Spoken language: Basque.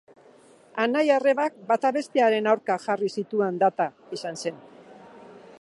Anai arrebak, bata bestearen aurka jarri zituen data izan zen.